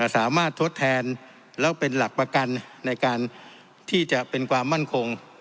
ทดแทนแล้วเป็นหลักประกันในการที่จะเป็นความมั่นคง